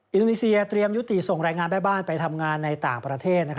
อินโดนีเซียเตรียมยุติส่งรายงานแม่บ้านไปทำงานในต่างประเทศ